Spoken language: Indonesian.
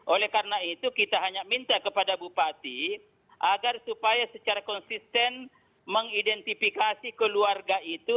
oleh karena itu kita hanya minta kepada bupati agar supaya secara konsisten mengidentifikasi keluarga itu